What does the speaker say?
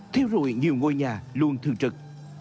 thiêu rụi nhiều ngôi nhà luôn thường trực